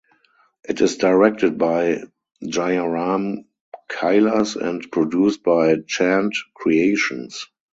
It is directed by Jayaram Kailas and produced by Chand Creations.